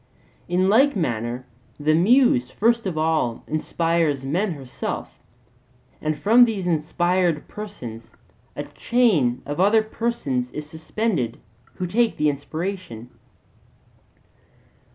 In like manner the Muse first of all inspires men herself; and from these inspired persons a chain of other persons is suspended, who take the inspiration.